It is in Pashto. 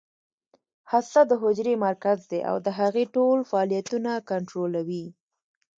هسته د حجرې مرکز دی او د هغې ټول فعالیتونه کنټرولوي